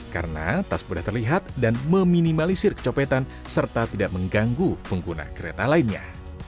karena tas mudah terlihat dan meminimalisir kecopetan serta tidak mengganggu pengguna kereta lainnya